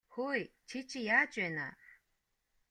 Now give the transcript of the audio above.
Хөөе чи чинь яаж байна аа?